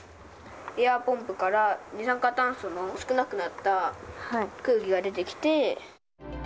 エアポンプから二酸化炭素の少なくなった空気が出てきて。